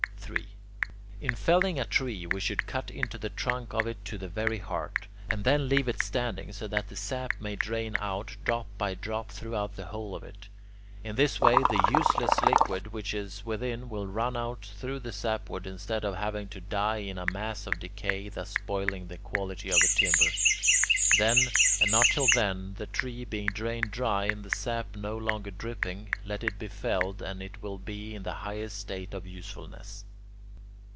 3. In felling a tree we should cut into the trunk of it to the very heart, and then leave it standing so that the sap may drain out drop by drop throughout the whole of it. In this way the useless liquid which is within will run out through the sapwood instead of having to die in a mass of decay, thus spoiling the quality of the timber. Then and not till then, the tree being drained dry and the sap no longer dripping, let it be felled and it will be in the highest state of usefulness.